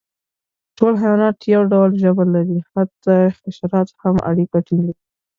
ټول حیوانات یو ډول ژبه لري، حتی حشرات هم اړیکه ټینګوي.